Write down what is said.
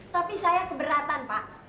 tapi saya keberatan